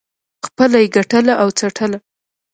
خپله یې ګټله او څټله.